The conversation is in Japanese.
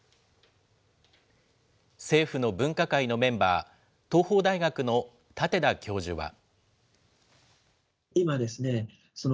政府の分科会のメンバー、東邦大学の舘田教授は。